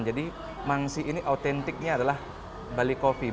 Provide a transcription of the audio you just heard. jadi mangsi ini autentiknya adalah bali coffee